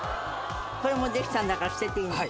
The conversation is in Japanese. これもできたんだから捨てていいの？